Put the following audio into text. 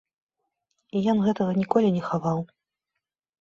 І ён гэтага ніколі не хаваў.